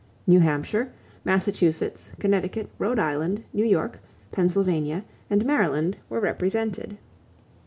New Hampshire, Massachusetts, Connecticut, Rhode Island, New York, Pennsylvania, and Maryland were represented.